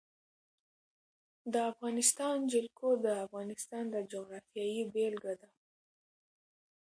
د افغانستان جلکو د افغانستان د جغرافیې بېلګه ده.